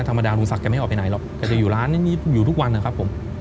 ธรรมดาลุงศักดิ์ไม่ออกไปไหนหรอกแกจะอยู่ร้านนี้อยู่ทุกวันนะครับผม